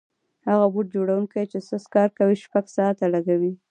هغه بوټ جوړونکی چې سست کار کوي شپږ ساعته لګوي.